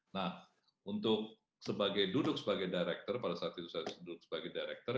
nah untuk sebagai duduk sebagai director pada saat itu saya duduk sebagai director